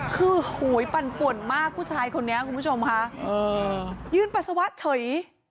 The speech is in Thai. คือโหยปั่นป่วนมากผู้ชายคนนี้คุณผู้ชมค่ะยืนปัสสาวะเฉย